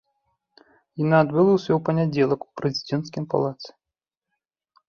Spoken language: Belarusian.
Яна адбылася ў панядзелак у прэзідэнцкім палацы.